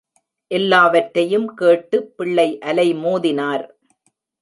எல்லாவற்றையும் கேட்டு பிள்ளை அலைமோதினார்.